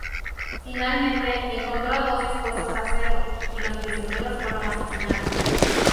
Finalmente, encontró a dos dispuestos a hacerlo, y los prisioneros fueron asesinados.